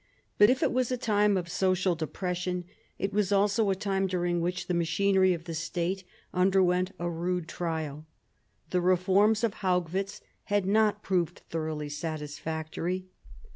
But if it was a time of social depression, it was also a time during which the machinery of the State under went a rude trial. The reforms of Haugwitz had not proved thoroughly satisfactory.